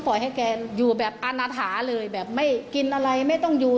ให้แกอยู่แบบอาณาถาเลยแบบไม่กินอะไรไม่ต้องอยู่